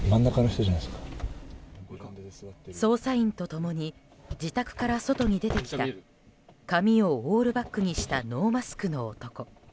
捜査員と共に自宅から外に出てきた髪をオールバックにしたノーマスクの男。